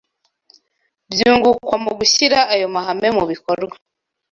byungukwa mu gushyira ayo mahame mu bikorwa